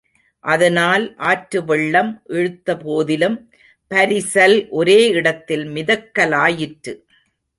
அதனால் ஆற்றுவெள்ளம் இழுத்தபோதிலும் பரிசல் ஒரே இடத்தில் மிதக்கலாயிற்று.